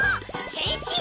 へんしん！